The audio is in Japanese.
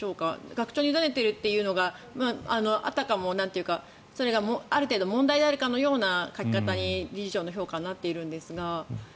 学長に委ねているというのがあたかも、それがある程度問題であるかのような書き方に理事長の評価になっているんですが。